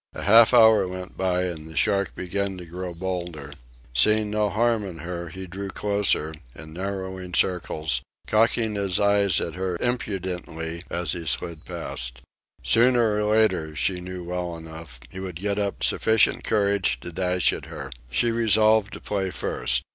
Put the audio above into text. A half hour went by, and the shark began to grow bolder. Seeing no harm in her he drew closer, in narrowing circles, cocking his eyes at her impudently as he slid past. Sooner or later, she knew well enough, he would get up sufficient courage to dash at her. She resolved to play first.